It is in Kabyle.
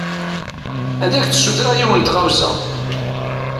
Ad ak-d-sutreɣ yiwen n tɣawsa.